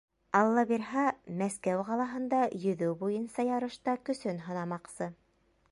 Алла бирһә, Мәскәү ҡалаһында йөҙөү буйынса ярышта көсөн һынамаҡсы.